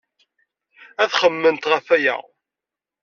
Ad xemmement ɣef waya.